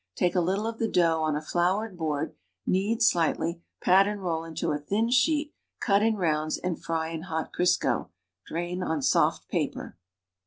Take a little of the dough on a floured hoard, knead slightly, pat and roll into a thin sheet, cut in rounds and fry in hot Crisco; drain on soft paper.